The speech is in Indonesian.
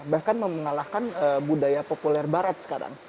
bahkan mengalahkan budaya populer barat sekarang